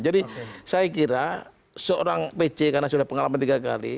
jadi saya kira seorang pj karena sudah pengalaman tiga kali